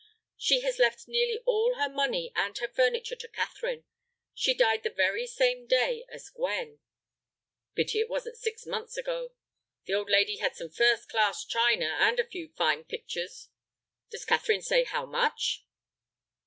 "She has left nearly all her money and her furniture to Catherine. She died the very same day as Gwen." "Pity it wasn't six months ago. The old lady had some first class china, and a few fine pictures. Does Catherine say how much?"